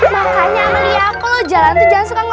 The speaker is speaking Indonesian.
makanya ameliak lo jangan suka ngelamun